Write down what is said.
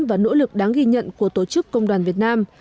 và nỗ lực đáng ghi nhận của tổ chức công đoàn việt nam